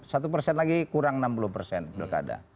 satu persen lagi kurang enam puluh persen pilkada